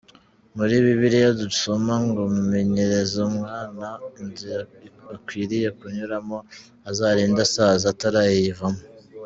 Muri Bibiliya dusoma ngo “Menyereza umwana inzira akwiriye kunyuramo, azarinda asaza atarayivamo.